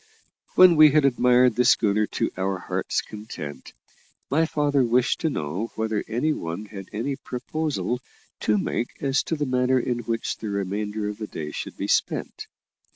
When we had admired the schooner to our hearts' content, my father wished to know whether any one had any proposal to make as to the manner in which the remainder of the day should be spent.